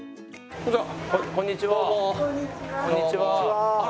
こんにちは。